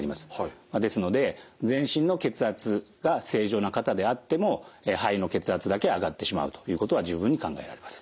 ですので全身の血圧が正常な方であっても肺の血圧だけ上がってしまうということは十分に考えられます。